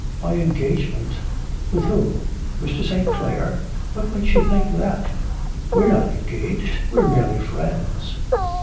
'My engagement. With whom.... Mr. St. Clare? What makes you think that? We are not engaged; we're merely friends.'